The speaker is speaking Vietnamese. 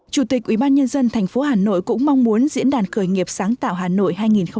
chủ tịch ủy ban nhân dân thành phố hà nội cũng mong muốn diễn đàn khởi nghiệp sáng tạo hà nội hai nghìn một mươi chín